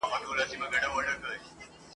واورۍ له ارغند تر اباسین پوري پرتو خلکو !.